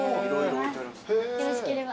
よろしければ。